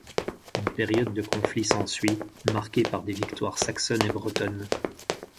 Une période de conflits s'ensuit, marquée par des victoires saxonnes et bretonnes.